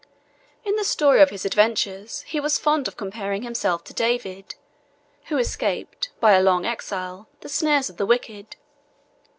In the story of his adventures, he was fond of comparing himself to David, who escaped, by a long exile, the snares of the wicked.